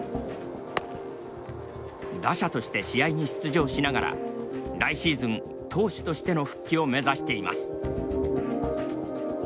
打者として試合に出場しながら来シーズン投手としての復帰を目指しています。